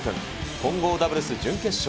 混合ダブルス準決勝。